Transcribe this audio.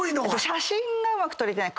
写真うまく撮れてない。